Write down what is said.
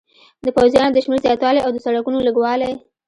د پوځیانو د شمېر زیاتوالی او د سړکونو لږوالی.